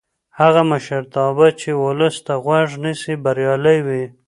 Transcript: هغه مشرتابه چې ولس ته غوږ نیسي بریالی وي